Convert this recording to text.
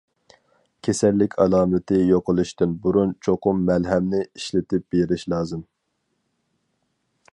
كېسەللىك ئالامىتى يوقىلىشتىن بۇرۇن چوقۇم مەلھەمنى ئىشلىتىپ بېرىش لازىم.